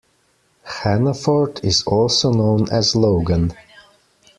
Hanaford is also known as Logan.